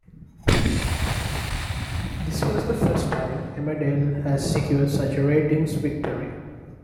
This was the first time "Emmerdale" has secured such a ratings victory.